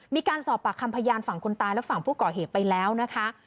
มีการสอบปากคำพยานฝั่งคนตายและฝั่งผู้ก่อเหตุไปแล้วนะคะ